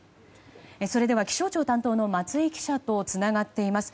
それでは気象庁担当の松井記者とつながっています。